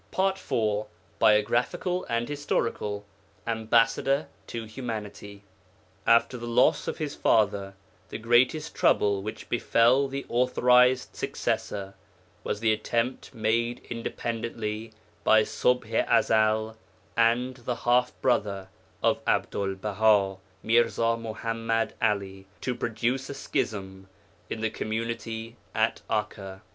PART IV BIOGRAPHICAL AND HISTORICAL; AMBASSADOR TO HUMANITY AMBASSADOR TO HUMANITY After the loss of his father the greatest trouble which befell the authorized successor was the attempt made independently by Ṣubḥ i Ezel and the half brother of Abdul Baha, Mirza Muḥammad 'Ali, to produce a schism in the community at Akka.